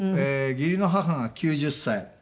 義理の母が９０歳。